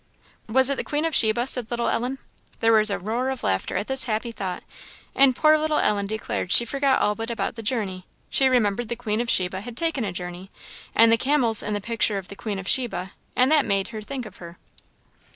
"Was it the Queen of Sheba?" said little Ellen. There was a roar of laughter at this happy thought, and poor little Ellen declared she forgot all but about the journey; she remembered the Queen of Sheba had taken a journey, and the camels in the picture of the Queen of Sheba, and that made her think of her.